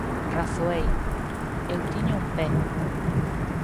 Razoei: eu tiña un pé.